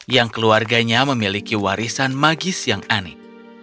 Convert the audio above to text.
yang keluarganya memiliki warisan magis yang aneh